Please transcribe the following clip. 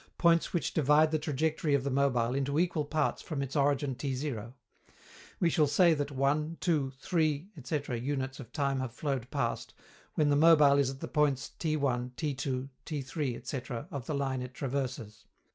points which divide the trajectory of the mobile into equal parts from its origin T_0. We shall say that 1, 2, 3, ... units of time have flowed past, when the mobile is at the points T_, T_, T_, ... of the line it traverses.